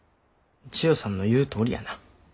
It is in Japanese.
千代さんの言うとおりやな。